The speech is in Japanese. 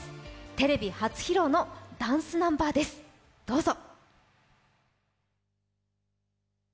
テレビ初披露のダンスナンバーです、どうぞ。